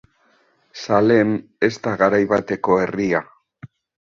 Salem ez da garai bateko herria.